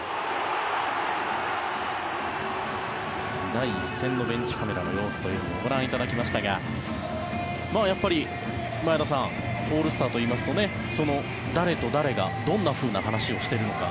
第１戦のベンチカメラの様子をご覧いただきましたがやっぱり前田さんオールスターといいますと誰と誰がどんなふうな話をしているのか。